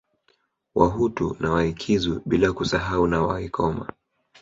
Wahutu na Waikizu bila kusahau na Waikoma